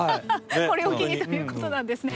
これを機にということなんですね。